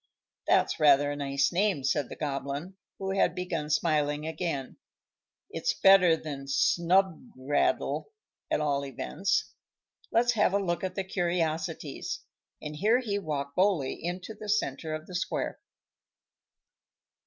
"That's rather a nice name," said the Goblin, who had begun smiling again. "It's better than Snubgraddle, at all events. Let's have a look at the curiosities;" and here he walked boldly into the centre of the square.